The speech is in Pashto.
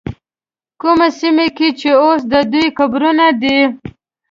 کومه سیمه کې چې اوس د دوی قبرونه دي.